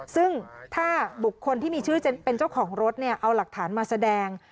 ซึ่งถ้าบุคคลที่มีชื่อเป็นเจ้าของรถเนี่ยเอาหลักฐานมาแสดง